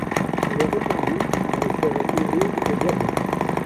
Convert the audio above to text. Elle est répandue dans les forêts humides au Gabon.